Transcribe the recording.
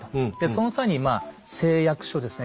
その際にまあ誓約書ですね